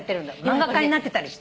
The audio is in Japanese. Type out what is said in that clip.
漫画家になってたりして。